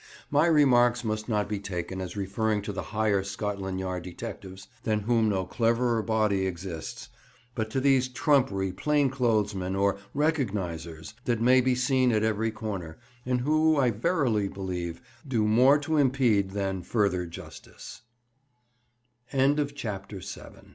My remarks must not be taken as referring to the higher Scotland yard detectives, than whom no cleverer body exists, but to these trumpery plainclothes men, or "recognisers," that may be seen at every corner, and who, I verily believe, do more to impede tha